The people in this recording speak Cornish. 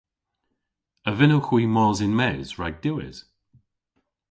A vynnowgh hwi mos yn-mes rag diwes?